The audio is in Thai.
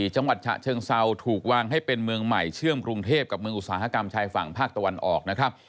จังหวัดฉะเชิงเซาถูกวางให้เป็นเมืองใหม่เชื่อมกรุงเทพกับเมืองอุตสาหกรรมชายฝั่งภาคตะวันออกนะครับ